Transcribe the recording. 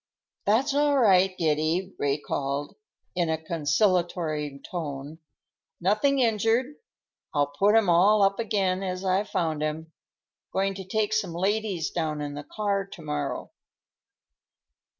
"That's all right, Giddy," Ray called in a conciliatory tone. "Nothing injured. I'll put 'em all up again as I found 'em. Going to take some ladies down in the car to morrow."